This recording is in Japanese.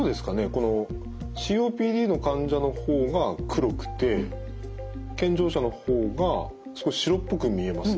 このＣＯＰＤの患者の方が黒くて健常者の方が少し白っぽく見えますね。